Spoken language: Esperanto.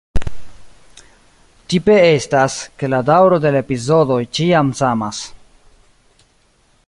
Tipe estas, ke la daŭro de la epizodoj ĉiam samas.